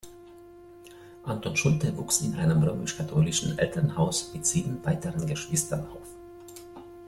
Anton Schulte wuchs in einem römisch-katholischen Elternhaus mit sieben weiteren Geschwistern auf.